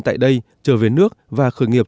tại đây trở về nước và khởi nghiệp